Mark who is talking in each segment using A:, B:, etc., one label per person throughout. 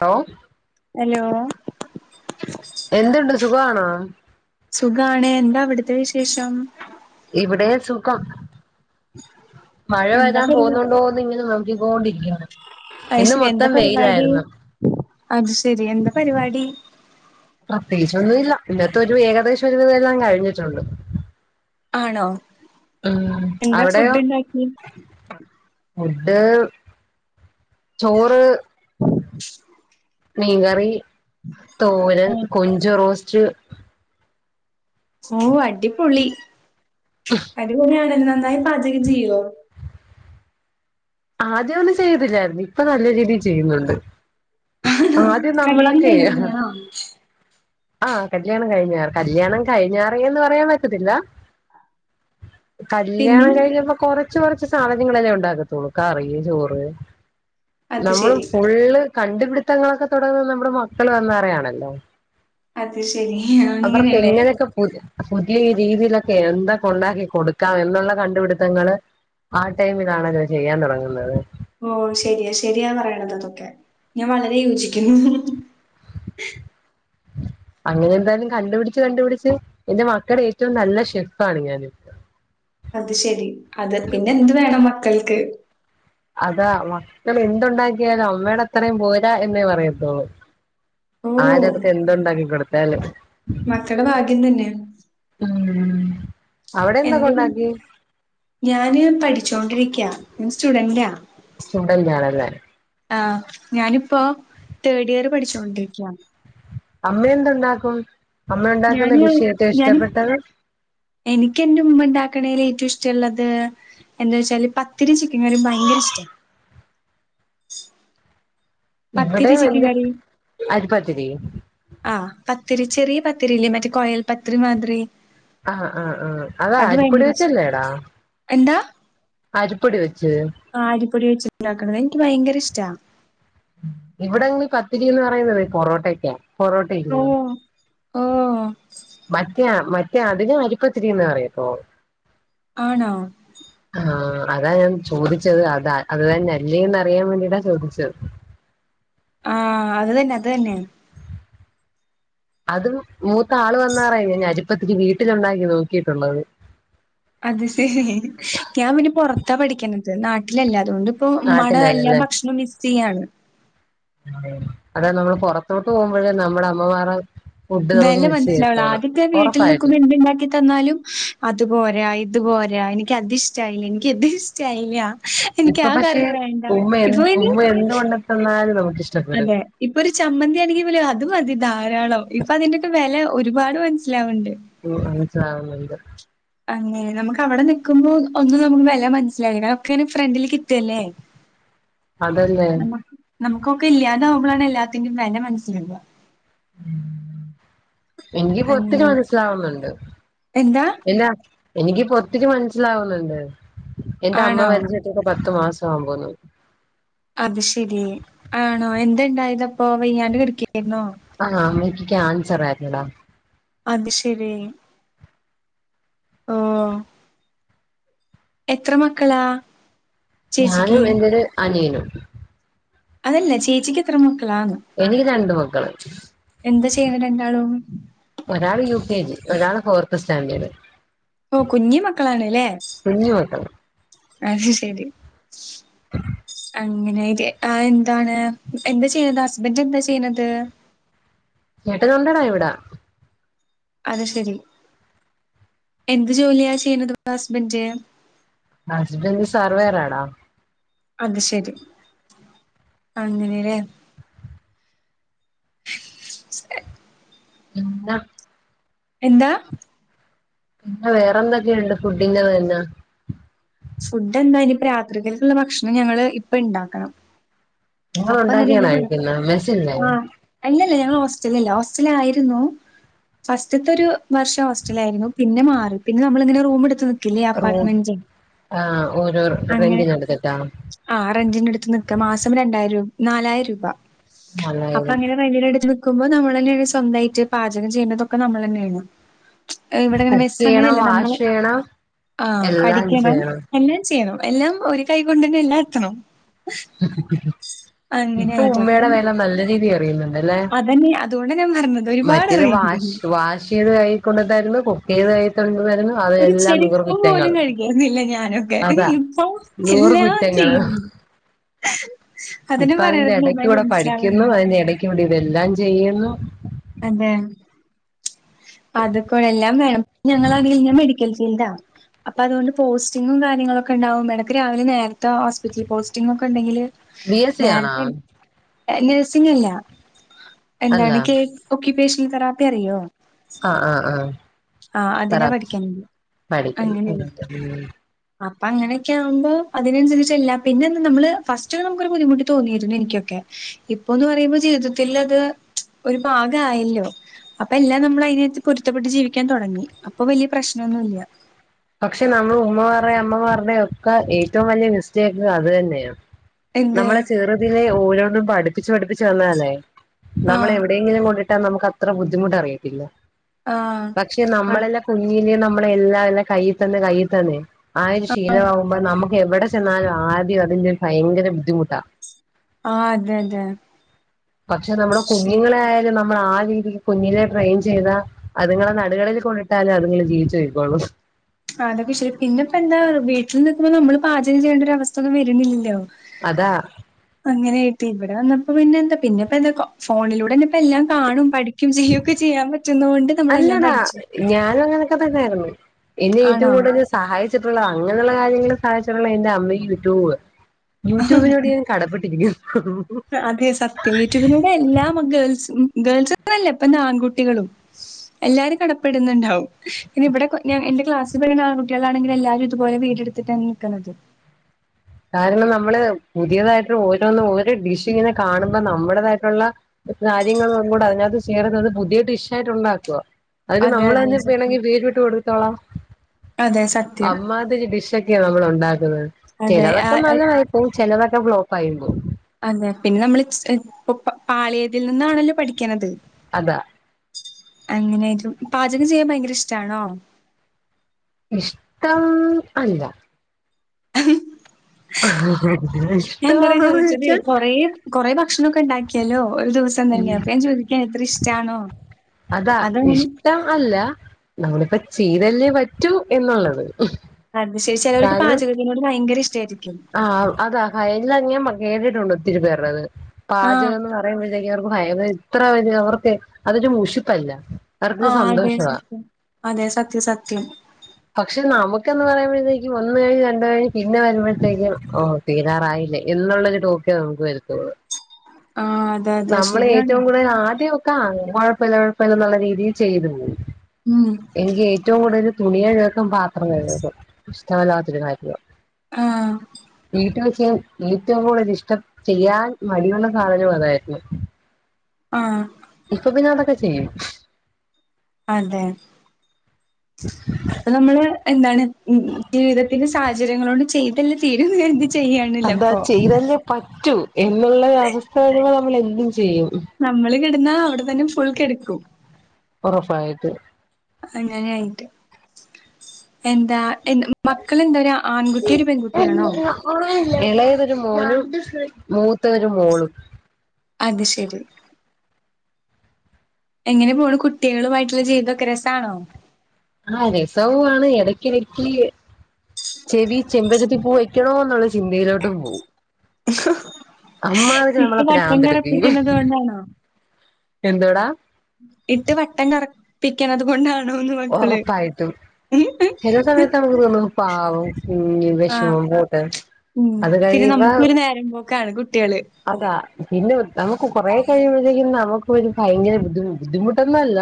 A: ഹോ
B: ഹലോ
A: എന്തുണ്ട് സുഖാണോ
B: സുഖാണ് ന്താ അവിട്ത്തെ വിശേഷം
A: ഇവിടെ സുഖം മഴ
B: എന്താ
A: വരാൻ
B: പരിപാ
A: പോകുന്നുണ്ടോന്ന് ങ്ങനെ നം നോക്കിക്കൊണ്ടിരിക്കാണ്
B: അയ്ശരി എന്താ പരിപാടി അത് ശരി എന്താ പരിപാടി
A: പ്രത്യേകിച്ചൊന്നു ല്ല ഇന്നത്തെ ഒരു ഏകദേശം ഒരു വിധം എല്ലാം കഴിഞ്ഞിട്ടുണ്ട്
B: ആണോ
A: ഉം
B: എന്താ ഫുഡ് ണ്ടാക്കി
A: ഫുഡ്ഡ് ചോറ്
B: [inaudible]
A: മീൻകറി തോരൻ കൊഞ്ച് റോസ്റ്റ്
B: ഓഹ് അടിപൊളി അടിപൊളിയാണ നന്നായി പാചകം ചെയ്യോ
A: ആദ്യയൊന്നു ചെയ്തില്ലായിരുന്നു ഇപ്പ നല്ല രീതീ ചെയ്യുന്നുണ്ട്
B: ആണോ
A: ആദ്യ
B: കല്യാണം
A: നമ്മളൊക്കെ
B: കഴിഞ്ഞതാണോ
A: ആഹ് കല്യാണം കഴിഞ്ഞാ കല്യാണം കഴിഞ്ഞാറേ ന്ന് പറയാൻ പറ്റത്തില്ല
B: പിന്നെ
A: കല്യാണം കഴിഞ്ഞപ്പോ കൊറച്ച് കൊറച്ച് സാധനങ്ങളെല്ലേ ഉണ്ടാക്കത്തുള്ളൂ കറി ചോറ്
B: അത്
A: നമ്മള്
B: ശരി
A: ഫുള്ള് കണ്ടുപിടുത്തങ്ങളൊക്കെ തുടങ്ങുന്ന നമ്മുടെ മക്കള് വന്നാറേ ണല്ലോ
B: അത് ശരി
A: അവർക്കെ
B: അങ്ങനെയല്ലേ
A: ങ്ങനെക്കെ പുത് പുതിയ രീതീലക്കെ എന്തൊക്കെ ഉണ്ടാക്കി കൊടുക്കാം എന്നുള്ള കണ്ടുപിടുത്തങ്ങള് ആ ടൈമിലാണത് ചെയ്യാൻ തുടങ്ങുന്നത്
B: ഓഹ് ശരിയ ശരിയാ പറയണത് തൊക്കെ ഞാൻ വളരെ യോജിക്കുന്നു
A: അങ്ങനെ ന്തായാലും കണ്ടുപിടിച്ച് കണ്ടുപിടിച്ച് എന്റെ മക്കടെ ഏറ്റവും നല്ല ഷെഫാണ് ഞാന്
B: അത് ശെരി അത് പിന്നെ എന്ത് വേണം മക്കൾക്ക്
A: അതാ മക്കൾ എന്തുണ്ടാക്കിയാലും അമ്മടെ അത്രയും പോരാ എന്നേ പറയത്തുള്ളൂ
B: ഓ
A: ആര ടുത്ത് എന്തുണ്ടാക്കി കൊടുത്താല്
B: മക്കളുടെ ഭാഗ്യം തന്നെ
A: ഉം അവിടെ എന്തൊക്കെ
B: എന്റെ പിൻ
A: ഉണ്ടാക്കി
B: ഞാന് പഠിച്ചോണ്ടിരിക്ക്യ സ്റ്റുഡന്റാ
A: സുഡല്യാണല്ലേ
B: ആഹ് ഞാനിപ്പോ തേർഡ് ഇയർ പഠിച്ചോണ്ടിരിക്ക്യാ
A: അമ്മ എന്ത്‌ ണ്ടാക്കും അമ്മ ഉണ്ടാക്കുന്ന
B: ഞാന്
A: ഡിഷിൽ ഏറ്റോ
B: ഞാന്
A: ഇഷ്ടപ്പെട്ടത്
B: എനിക്ക് എന്റെറെ ഉമ്മണ്ടാക്ക്ണേൽ ഏറ്റവും ഇഷ്ടള്ളത് എന്താ ച്ചാല് പത്തിരി ചിക്കൻ കറിൻ ഭയങ്കര ഇഷ്ട്ട ചിൽ
A: ഇവിടെ വെന്ത് അരി പത്തിരി
B: ആഹ് പത്തിരി ചെറിയ പത്തിരി ല്ലേ മറ്റേ കൊയൽ പത്തിരി മാതിരി
A: ആഹ് ആഹ് ആഹ് ആഹ്
B: അത്
A: അരിപ്പൊടി
B: ഭയങ്കര ഇഷ്ട
A: വെച്ചല്ലേ ടാ
B: എന്താ
A: അരിപ്പൊടി വെച്ച്
B: ആഹ് അരിപ്പൊടി വെച്ചുണ്ടാക്കണുന്നത് എനിക്ക് ഭയങ്കര ഇഷ്ടമാണ്
A: ഇവിടെങ്ങന പത്തിരി എന്ന് പറയുന്നത് പൊറോട്ടക്കാണ് പൊറോട്ടയില്ല
B: ഓഹ് ഓഹ്
A: മറ്റേ മറ്റേ അതിന അരിപ്പത്തിരിന്ന് പറയപ്പോ
B: ആണോ
A: ആഹ അതാ ഞാൻ ചോദിച്ചത് അതാ അത്താ ഞല്ലിന്ന് അറിയാൻ വേണ്ടീട്ടാ ചോദിച്ചത്
B: ആഹ അത്തന്നെ അത് തന്നെയാണ്
A: അതും മൂത്ത ആൾ വന്നാറായി ഞ അജപ്പത്തേക്ക് വീട്ടിലുണ്ടാക്കി നോക്കിയിട്ടുള്ളത്
B: അത് ശരി ഞാൻ പിന്നെ പുറത്താ പഠിക്കണത് നാട്ടിലല്ല അതുകൊണ്ട് ഇപ്പൊ മട എല്ലാ
A: നാട്ടിലല്ലല്ലേ
B: ഭക്ഷണവും മിസ് ചെയ്യയാണ്
A: അതെ നമ്മള് പുൊറത്തോട്ട് പോകുമ്പോഴേ നമ്മടെ അമ്മമാർ
B: വില മനസ്സിലാവുള്ളൂ ആദ്യൊക്കെ വീട്ടിൽ നിൽക്കുമ്പോ എന്തുണ്ടാക്കി തന്നാലും അതുപരാ ഇതുപരാ എനിക്ക് അതി ഇഷ്ടായില്ല എനിക്ക് എത് ഇഷ്ടായില്ല എനിക്ക്
A: ഇപ്പൊ
B: ആ
A: പക്ഷെ
B: കറി വേണ്ട.
A: ഉമ്മ എ
B: ഇപ്പൊ പിന്നെ
A: ഉമ്മ എന്ത് കൊണ്ടത്തന്നാലും നമുക്ക്ിഷ്ട്ടം
B: അതെ ഇപ്പൊ ഒരു ചമ്മന്തിയാണെങ്കിൽ പോല അതും മതി ധാരാളം ഇപ്പൊ അതിന്റെൊക്കെ വില ഒരുപാട് മനസ്സിലാവണ്ട്
A: അനച്ചണ്ട്
B: അങ്ങനെ നമുക്ക് അവിടെ നിിക്കുമ്പോ ഒന്നും നമുക്ക് വില മനസ്സിലായിില്ല ഒക്കെെ ഫ്രണ്ടില് കിട്ടല്ലേ
A: അതല്ലേ
B: നമ്മക്ക് നമുക്കൊക്കെ ഇല്ലാത ആാവുമ്പോഴാണ് എല്ലാത്തിന്റെയും വില മനസ്സിലുള്ള
A: ഉം എനിക്ക് പൊത്തിക്ക്
B: അങ്ങനെ
A: മനസ്സിലാവുന്നുണ്ട്
B: എന്താ
A: ഇല്ലാ എനിക്കിപ്പൊ ഒത്തിരി മനസ്സിലാകുന്നുണ്ട് എന്റെ അമ്മ
B: ആണോ
A: വലച്ചിട്ടൊക്കെ പത്തു മാസംമാവുമ പോുന്നു
B: അത് ശെരി ആണോ എന്ത ഇണ്ടായത് അപ്പോൊ വൈകാണ്ട് കിടിക്കായിരുന്നോ
A: ആഹ് അമ്മയ്ക്ക് ക്യാൻസർ ആയിരുന്നടാ
B: അത് ശരി ആഹ് എത്ര മക്കളാ ചേച്ചിക്ക്
A: ഞാനും എന്റെരു അനിയനും
B: അതല്ല ചേച്ചിക്ക് എത്ര മക്കളാണ്
A: എനിക്ക് രണ്ട് മക്കള്
B: എന്താ ചെയ്യുന്നത് രണ്ടാളും
A: ഒരാൾ യു കെ ജി ഒരാൾ ഫോർത്ത് സ്റ്റാൻഡേർഡ്
B: ഓ കുഞ്ഞി മക്കളാണ്ല്ലേ
A: കുഞ്ഞു മക്കള്
B: അത് ശരി
A: [inaudible]
B: അങ്ങനെ എന്താണ് എന്താ ചെയ്യുന്നത് ഹസ്ബന്ഡ് എന്താ ചെയ്യണുന്നത്
A: ഞട്ട നൊണ്ടടാ ഇവിടെ
B: അത് ശെരി എന്ത് ജോലിയാ ചെയ്യുന്നത് ഹസ്ബന്ഡ്
A: ഹസ്ബൻഡ് സാർവേരാടോ
B: അത് ശരി അങ്ങനെല്ലേ
A: പിന്ന
B: എന്താ
A: പിന്നെ വേറെ എന്തൊക്കെയുണ്ട് ഫുഡിന്റെ തന്നെ
B: ഫുഡ് എന്താ ഇനിപ്പ രാത്രികുള്ള ഭക്ഷണം ഞങ്ങള് ഇപ്പ ഉണ്ടാക്കണം.
A: നിങ്ങൾ
B: അപ്പ
A: ഉണ്ടാക്കിയാണോ
B: എന്ന
A: കഴിക്കുന്നത് മെസ്സില്ലേ
B: ആഹ് അല്ലല്ല ഞങ്ങള് ഹോസ്റ്റലല്ല ഹോസ്റ്റല ആയിരുന്നു. ഫസ്റ്റത്തെ ഒരു വർഷം ഹോസ്റ്റല ആയിരുന്നു പിന്നെ മാറി പിന്നെ നമ്മൾ ഇങ്ങനെ റൂം എടുത്ത് നിക്കില്ലേ
A: റൂ
B: അപ്പാർട്ട്മെന്റിൽ
A: ആഹ് ഓരോ റെന്റിന്ന്ടുത്തിട്ടാ?
B: ആഹ് റെൻ്റനു എടുത്ത് നിക്ക മാസം രണ്ടായിരം രൂ നാലായിരം രൂപ. അപ്പൊ
A: നല്ലത്
B: അങ്ങനെ റെൻ്റ്നു അടുത്ത് നക്കുമ്പോ നമ്മൾ തന്നെയാണ് സ്വന്തമായിട്ട് പാചകം ചെയ്യേണ്ടതൊക്കെ നമ്മൾ തന്നെയാണ്. ഇവിടെങ്ങെ ബസ
A: ചെയ്യണം
B: അങ്ങനെല്ല നമ്മള്
A: വാഷ് ചെയ്യണം
B: ആഹ്
A: എല്ലാം
B: പഠിക്കണം
A: ചെയ്യണം
B: എന്നെ ചെയ്യണം എല്ലാം ഒരു കൈ കൊണ്ട്ന്നെ എല്ലാം എത്തണം.
A: ഇപ്പൊ
B: അങ്ങനെയായിട്ട്. അപ്പം
A: ഉമ്മയുടെ വില നല്ല രീതി എറിയുന്നുണ്ട് എല്ലേ
B: അതന്നെ അതുകൊണ്ടാ ഞാൻ പറഞ്ഞത് ഒരുപാട്
A: മറ്റേത്
B: അറിയണ്ടെന്ന്.
A: വാഷ് വാഷ് [unintelligible] തായിക്കൊണ്ട്തര്ന്നു കുപ്പിതായി കൊണ്ട്തരുന്നു
B: ഒരു
A: അതെല്ലാം നൂറ്
B: ചെരുപ്പ്
A: കുറ്റങ്ങൾ
B: പോലും കഴിക്കായിരുന്നില്ല ഞാനൊക്കെ.
A: അതാ
B: ഇപ്പൊ
A: നൂറ്
B: എല്ലാം
A: കുറ്റങ്ങൾ
B: ചെയ്യുന്നുണ്ട്. അതിന്
A: ഇപ്പ അതിന്റെ
B: പറയണത്
A: ഇടയ്ക്ക്
B: നന്നായി
A: കൂടെ പഠിക്കുന്നു
B: മനസ്സിലാവുന്നുണ്ട്.
A: അതിന്റെ ഇടയ്ക്ക് കൂടി ഇതെല്ലാം ചെയ്യുന്നു.
B: അതെ അതകൊ എല്ലാം വേണം ഞങ്ങളെ അതിൽ ഞാൻ മെഡിക്കൽ ഫീൽഡാ അപ്പൊ അതുകൊണ്ട് പോസ്റ്റിങ്ങും കാര്യങ്ങളൊക്കെണ്ടാവുമ്പോ ഇടക്ക് രാവിലെ നേരത്തെ ഹോസ്പിറ്റലിൽ പോസ്റ്റിങ്ങോകെ ഉണ്ടെങ്കിൽ
A: ബി എസ് സി ആണോ
B: ഞാനപ്പോ നഴ്സിംഗല്ല
A: അല്ല
B: എന്താണ് കേ ഒക്കുപ്പേഷനൽ താറാപ്പി അറിയോ?
A: ആഹ് ആഹ് ആഹ്
B: ആഹ് അതിനാ
A: തെറാപ്പി
B: പഠിക്കണ്ട്
A: പഠിക്കുന്നു
B: അങ്ങനെയിട്ട്- അപ്പൊ അങ്ങനെയൊക്കെ ആകുമ്പോ അതിനനുസരിച്ചു ചെല്ലാം പിന്നെ നള് ഫസ്റ്റ് നമുക്ക് ഒരു ബുദ്ധിമുട്ട്- തോന്നിരുന്നു എനിക്കൊക്കെ ഇപ്പൊന്ന് പറയുമ്പോ ജീവിതത്തിൽ അത് ഒരു ഭാഗയാല്ലോ അപ്പൊ എല്ലാം നമ്മൾ അതിനെത്ത് പൊരുത്തപ്പെട്ട് ജീവിക്കാൻ തുടങ്ങി അപ്പൊ വലിയ പ്രശ്നമൊന്നുമില്ല.
A: പക്ഷെ നമ്മൾ ഉമ്മമാരുടെയും അമ്മമാരുടെ ഒക്കെ ഏറ്റവും വലിയ മിസ്റ്റേക്ക് അത് തന്നെയാണ്-
B: എന്ത്
A: നമ്മളെ ചെറുതിലെ ഓരോന്നും പഠിപ്പിച്ച് പഠിപ്പിച്ച് തന്നല്ലേ
B: ആഹ്
A: നമ്മളെവിടെയെങ്കിലും കൊണ്ടോ നമുക്ക്ത്ര ബുദ്ധിമുട്ട് അറിയതില്ല
B: ആഹ്
A: പക്ഷെ
B: ആഹ്
A: നമ്മളെല്ലാം കുഞ്ഞിലെ നമ്മളെല്ലാം കയ്യിൽ തന്നെ കയ്യിൽ തന്നെ ആഹ് ഒരു ശീലമാകുമ്പോ നമുക്ക് എവിടെ ചെന്നാലും ആദ്യം അതിന്റെ ഭയങ്കര ബുദ്ധിമുട്ടാ
B: ആഹ് അതെ അതെ-
A: പക്ഷെ നമ്മളുടെ കുഞ്ഞുങ്ങളൊയാലും നമ്മൾ ആഹ് രീതിക്ക് കുഞ്ഞിലെ ട്രെയിൻ ചെയ്താ അതുങ്ങളെ നടുകടലിൽ കൊണ്ട ഇടാലും അതുങ്ങള് ജീവിച്ച്പോകും.
B: അതൊക്കെ ശരി പിന്നെ ഇപ്പ എന്താ വീട്ടിൽ നിൽക്കുമ്പോ നമ്മള് പാചകം ചെയേണ്ടരു അവസ്ഥ ഒന്നും വരുന്നില്ലല്ലോ
A: അതാ
B: അങ്ങനെയായിട്ട് ഇവിടെ വന്നപ്പോ പിന്നെ എന്താ പിന്നെപ്പ എന്തൊ ഫോണിലൂടെന്നപ്പം എല്ലാം കാണും പഠിക്കും കും ഒക്കെ ചെയ്യാൻ പറ്റുന്നതോണ്ട് നമ്മളെല്ലാം
A: അല്ലടാ
B: പഠിച്ചു.
A: ഞാനും അങ്ങനെയൊക്കെ തന്നെയായിരുന്നു എന്നെ ഏറ്റവും
B: ആണോ
A: കൂടുതൽ സഹായിച്ചിട്ടുള്ളത അങ്ങനെയുള്ള കാര്യങ്ങൾ സഹായിച്ചിട്ടുള്ളത് എന്റെ അമ്മയ്ക്ക് യൂട്യൂബ് യൂട്യൂബിനോട് കടപ്പെട്ടിരിക്കുന്നു.
B: അതെ സത്യ യൂട്യൂബിലൂടെ എല്ലാം ഗേൾസ് ഗേൾസ്ല്ന്ന് ഇപ്പൊ ആൺകുട്ടികളും- എല്ലാരും കടപ്പെടുന്നുണ്ടാവും- ഇനി ഇവടൊക്കെ എന്റെ ക്ലാസ്സിൽ പഠിക്കുന്ന ആൺകുട്ടികളാണെകിൽ എല്ലാരും ഇതുപോലെ വീട് എടുത്തിട്ടാണ് നിൽക്കുന്നത്.
A: കാരണം നമ്മള് പുതിയതായിട്ട് ഓരോന്നും ഓരോ ഡിഷ് ഇങ്ങനെ കാണുമ്പോ നമ്മുടേതായിട്ടുള്ള കാര്യങ്ങളും കൂടെ അതിനകത്ത് ചേരുന്നത് പുതിയ ഡിഷ് ആയിട്ട് ഉണ്ടാക്കുവ അയ്ന്
B: അതെ അതെ
A: നമ്മളന്നെ
B: സത്യം.
A: പിണങ്ങി വീട് വിട്ട് കൊട്ത്തോളാം
B: അതെ സത്യം.
A: അമ്മാതിരി ഡിഷൊ നമ്മൾ ഉണ്ടാക്കുന്നത്
B: അതെ ആ
A: ചെലതൊക്കെ
B: ആ,
A: നല്ലതായി പോവും ചെലതൊക്കെ ഫ്ലോപായി പോവും.
B: അതെ പിന്നെ നമ്മള് ഇപ്പോ പാളിയതിൽ നിന്നാണല്ലോ പഠിക്കണത്.
A: അതാ
B: അങ്ങനൊയിലും പാചകം ചെയ്യാൻ ഭയങ്കര ഇഷ്ടാണോ?
A: ഇഷ്ടം അല്ല-
B: എന്താ അറിയോ
A: ഇഷ്ടമാണോന്ന്
B: ചോദിച്ചത്
A: ചോദിച്ചാൽ
B: കൊറേ കൊറെേ ഭക്ഷണൊക്കെ ഉണ്ടാക്കിയല്ലോ ഒരു ദിവസം തന്നെയ അപ്പൊ ഞാൻ ചോദിക്കാ ഇത്ര ഇഷ്ടാണോ?
A: അതാ
B: അതങ്ങനെ
A: ഇഷ്ടം അല്ല നമ്മളിപ്പം ചെയ്തല്ലേ പറ്റൂ എന്നുള്ളത്.
B: അതിന് ശേഷം ചെലർക്കു
A: കാരണം
B: പാചകത്തിനോട് ഭയങ്കര ഇഷ്ടായിരിക്കും.
A: ആഹ് അതാ [unintelligible] കേട്ട്ട്ടൊണ്ട് ഒത്തിരി പേര്ടെത്
B: ആഹ്
A: പാചകംന്ന് പ [unintelligible] ഇത്ര വല അവർക്ക് അതൊരു മുഷിപ്പല്ല. അവർക്ക്
B: ആ അതെ
A: സന്തോഷവാ
B: സത്യം അതെ സത്യം സത്യം.
A: പക്ഷെ നമകെന്ന് പറയുംപോത്തേക്കും ഒന്ന് കയ്ഞ്ഞ് രണ്ട് കയ്ഞ്ഞ് പിന്നെ വരുമ്പോഴേ തെക്കും ഓ തീരാറായില്ലേ എന്നുളെളാരു ടോക്കെ നമക്ക് വരതൊള്ളൂ.
B: ആഹ് അതെ അതെ
A: നമ്മളെ ഏറ്റവും
B: ശരിയാണത്
A: കൂടുതൽ ആദ്യം [unintelligible] കുഴപ്പല്ല കുഴപ്പല്ലന്ന്ള്ള രീതിയിൽ ചെയ്ത് പോയ്
B: ഉം
A: എൻകെ ഏറ്റവും കൂടുതൽ തുണികഴ്‌കും പാത്രം കഴ്കും ഇഷ്ടമല്ലാത്തൊരു കാര്യാ.
B: ആഹ്.
A: വീട്ട ഒക്കയും ഏറ്റവും കൂടുതൽ ഇഷ്ടം ചെയ്യാൻ മടിയുള്ള സാധനവും അതായിരുന്നു.
B: ആഹ്
A: ഇപ്പൊ പിന്നെ അതൊക്കെ ചെയ്യും.
B: അതെ. അപ്പ നമ്മള് എന്താണ് മ് ജീവിതത്തിന്റെ സാഹചര്യങ്ങളോണ്ട് ചെയ്തല്ലേ തീരു കര്തി. ചെയ്യണ്ല്ലേ ഇപ്പോ?
A: പറ്റും എന്നുള്ള അവസ്ഥ വരുംപ്പം നമ്മൾ എന്തും ചെയ്യും.
B: നമ്മള് കെടന്നാ അവിടെ തന്നെ ഫുൾ കെടക്കും.
A: ഉറപ്പായിട്ടും.
B: അങ്ങനെ ആയിട്ട് എന്താ മക്കളന്തൊര ആൺകുട്ടിം ഒര് പെൺകുട്ടിയാണോ?
A: എളയവര് മോളും മൂത്തവര് മോളും.
B: അത് ശെരി. എങ്ങനെ പോണ് കുട്ടികളുമായിട്ട്ള്ള ജീവിതൊക്കെ രസാണോ?
A: ആഹ് രസവുമാണ് എടക്ക് [unintelligible] ചെവി ചെമ്പരത്തിപൂ വെക്കണോ ന്നുള്ള ചിന്തയിലോട്ടും പോവും.
B: ഹ
A: അമ്മാതിരി
B: ഇക്ക്
A: നമ്മളെ പ്രാന്തെടുപ്പിക്കും
B: വട്ട്ന്നുറപ്പിക്കുന്നത് കൊണ്ടാണോ?
A: എന്തോടാ
B: ഇട്ട് വട്ടം കറപ്പിക്കണത് കൊണ്ടാണോന്ന് മക്കള്?
A: കുണു കുണു പാവം കുഞ്ഞ്.
B: ആഹ്
A: വെഷമം പോട്ടെ
B: ഉം
A: അത്
B: പിന്നെ
A: കയ്യിമ്പം
B: നമുക്കൊരു നേരം പോക്കാണ് കുട്ടികള്
A: അതാ പിന്നെ നമക്ക് കൊറെ കഴിയുമ്പോതേക്കും നമുക്ക് ഒരു ഭയങ്കര ബുദ്ധി ബുദ്ധിമുട്ടൊന്നുംല്ല.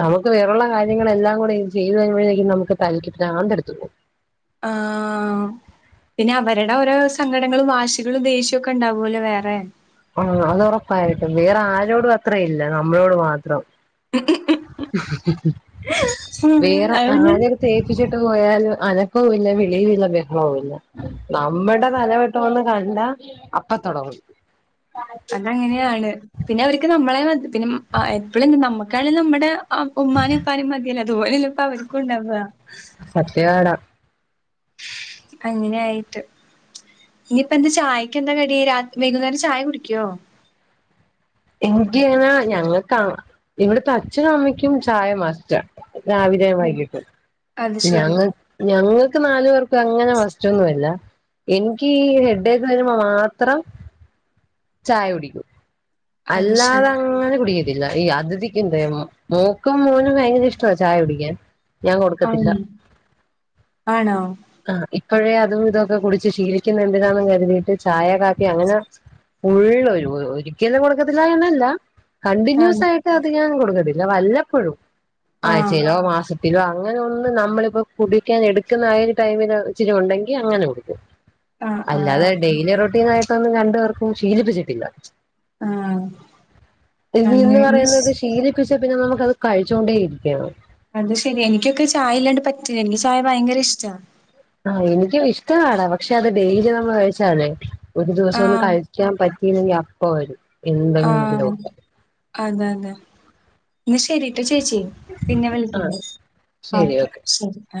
A: നമക്ക് വേറൊള്ള കാര്യങ്ങളെല്ലാം കൂടെ ചെയ്ത് കഴിയുംമ്പോത്തേക്കും നമക്ക് തല്യ്ക്ക് ഭ്രാതെട്ത് പോകും.
B: ആഹ്. പിന്നെ അവര്ടൊരു സങ്കടങ്ങളും വാശികളും ദേഷ്യക്കെ ഇണ്ടാവല്ലോ വേറെ
A: ആഹ് അത് ഉറപ്പായിട്ടും വേറെ ആരോടും അത്ര ഇല്ല നമ്മളോട് മാത്രം. വേറെ
B: അത് പിന്നെ
A: ആരേം തേപ്പിച്ചിട്ട് പോയാല് അനക്കൊല്ല വിളിയുംല്ല ബഹളൊല്ല നമ്മടെ തല വെട് ട്ടോന്ന് കണ്ട അപ്പത്തൊടങ്ങും. [inaudible]
B: അതങ്ങനെയാണ്. പിന്നെ അവര്ക്ക് നമ്മളെ പിന്നെ അ എപ്പഴും നമ്മക്കായാലും നമ്മടെ ഉമ്മാനിം പ്പാനിം മതിയല്ലോ അത് പോലെന്നെല്ലേ ഇപ്പ അവർക്കുംണ്ടാവാ.
A: സത്യാടാ.
B: അങ്ങനെയായിട്ട്. ഇനിയിപ്പന്താ ചായകെന്താ കടി വൈകുന്നേരം ചായ കുടിക്ക്യോ?
A: എങ്ക്യാനാ ഞങ്ങക്ക ഇവ്ട്ത്തെ അച്ഛനും അമ്മയ്ക്കും ചായ മസ്റ്റ രാവി ലെ വൈകിട്ടും
B: അത് ശെരി
A: ഞങ്ങ ഞങ്ങക്ക് നാല് പേർക്ക് അങ്ങനെ മസ്റ്റൊന്നുല്ല എനിക്ക് ഈ ഹെഡേക്ക് വര്മ്പോ മാത്രം ചായ കുടിക്കൂ
B: അത്
A: അല്ലാതെ
B: ശെരി
A: അങ്ങനെ [unintelligible] [unintelligible] മോക്കും മോനും ഭയങ്കര ഇഷ്ടമാ ചായ കുടിക്കാൻ. ഞാൻ കൊടുക്കത്തില്ല
B: ആഹ്
A: [inaudible]
B: ആണോ
A: ആ ഇപ്പോഴേ അതും ഇതൊക്കെ കുടിച്ച് ശീലിക്കുന്ന എന്തിനാന്നും കരുതി ചായ കാപ്പി അങ്ങനെ. [unintelligible] ഒരിക്കലും കൊടക്കത്തിലന്നല്ല
B: ആഹ്
A: കണ്ടിന്യൂസ് [unintelligible] [unintelligible] ഞാൻ കൊടുക്കത്തില്ല വല്ലപ്പോഴും
B: ആഹ്
A: ആഴ്ചയിലോ [unintelligible] ഇിലോ അങ്ങനെ ഒന്ന് നമ്മളിപ്പോൊ [unintelligible] നമ്മളിപ്പോ കുടിക്കാൻ എടുക്കുന്ന ആ ഒരു ടൈമില് ഇച്ചിരി ഉണ്ടെങ്കി അങ്ങനെ [unintelligible]
B: [inaudible] ആഹ്
A: അല്ലാതെ
B: ഓക്കെ
A: ഡെയിലി റൊട്ടീന് ആയിട്ടൊന്നും രണ്ടു പേർക്കും ശീലിപ്പിച്ചിട്ടില്ല.
B: ആ
A: [unintelligible] പറയുന്നത് ശീലിപ്പിച്ച പിന്നെ നമുക്കത് കഴിച്ചോണ്ടേ ഇരിക്കണം.
B: അത് ശരി എനിക്കൊക്കെ ചായ ഇല്ലാണ്ട് പറ്റില്ല എനിക്ക് ചായ ഭയങ്കര ഇഷ്ട.
A: ആ എനിക്കും ഇഷ്ടാണ് പക്ഷെ അത് ഡെയിലി നമ്മള് കഴിച്ചാലേ ഒരു ദിവസം ഒന്ന്
B: ആഹ്
A: [unintelligible] [unintelligible] പറ്റീലെങ്കി അപ്പൊ വരും.
B: ആ
A: എന്തെങ്കിലും
B: അതെ അതെ ന്നാ ശരിട്ട ചേച്ചി. പിന്നെ
A: ആഹ്
B: വിളിക്കണ്ട് ഓക്കെ ശരി ആ.